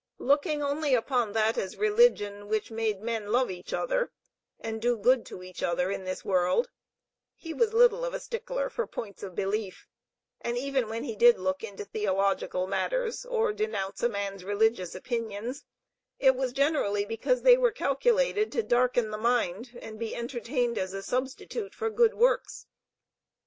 Looking only upon that as religion, which made men love each other and do good to each other in this world, he was little of a stickler for points of belief, and even when he did look into theological matters or denounce a man's religious opinions, it was generally because they were calculated to darken the mind and be entertained as a substitute for good works.